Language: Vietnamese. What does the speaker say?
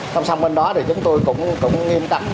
xong bên đó thì chúng tôi cũng nghiêm tắc